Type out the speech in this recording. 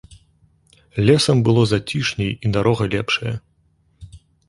Лесам было зацішней і дарога лепшая.